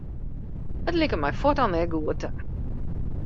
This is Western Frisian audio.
It like my fuort al net goed ta.